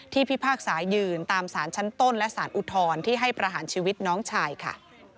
พิพากษายืนตามสารชั้นต้นและสารอุทธรณ์ที่ให้ประหารชีวิตน้องชายค่ะ